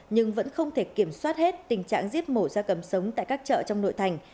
nhưng vẫn không thể kiểm soát hết tình trạng giết mổ ra cầm sống tại các chợ trong nội thành